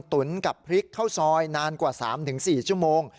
ตุ๋นกับพริกข้าวซอยนานกว่า๓๔ชั่วโมง